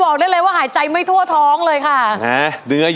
คิดใช่ไหม